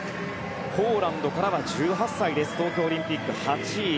ポーランドからは１８歳東京オリンピック、８位。